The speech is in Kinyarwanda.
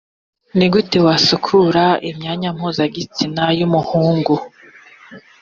ni gute wasukura imyanya ndangagitsina y umuhungu